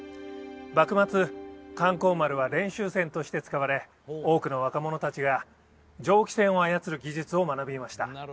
幕末観光丸は練習船として使われ多くの若者達が蒸気船を操る技術を学びました